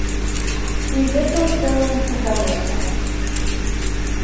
І гэта ў цэлым удалося.